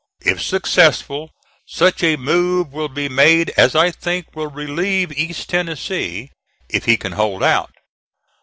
If successful, such a move will be made as I think will relieve East Tennessee, if he can hold out.